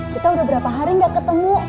kita udah berapa hari gak ketemu